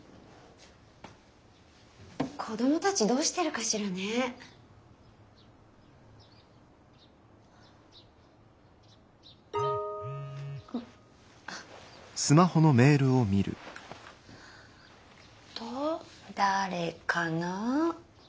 子供たちどうしてるかしらね。と誰かな？